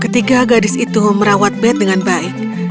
ketiga gadis itu merawat bed dengan baik